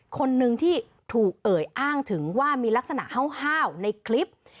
คนนึงที่ถูกเอ่ยอ้างถึงว่ามีลักษณะห้าวในคลิป